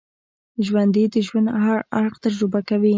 ژوندي د ژوند هر اړخ تجربه کوي